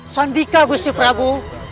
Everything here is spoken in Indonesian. sandika gusti prabu